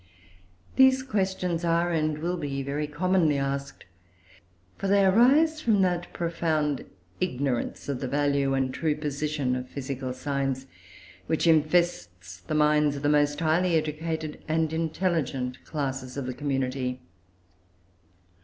These questions are, and will be, very commonly asked, for they arise from that profound ignorance of the value and true position of physical science, which infests the minds of the most highly educated and intelligent classes of the community.